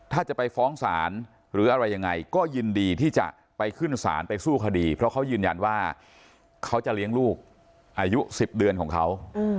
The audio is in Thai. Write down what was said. ถ้าจะไปฟ้องศาลหรืออะไรยังไงก็ยินดีที่จะไปขึ้นศาลไปสู้คดีเพราะเขายืนยันว่าเขาจะเลี้ยงลูกอายุ๑๐เดือนของเขา